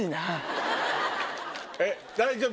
えっ大丈夫？